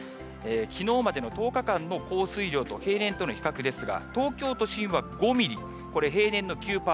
きのうまでの１０日間の降水量と平年との比較ですが、東京都心は５ミリ、これ、平年の９％。